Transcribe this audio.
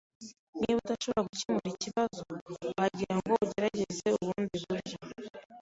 Niba udashobora gukemura ikibazo, wagira ngo ugerageze ubundi buryo.